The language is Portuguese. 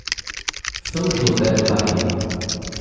São José do Barreiro